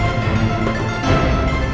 jangan lupa joko tingkir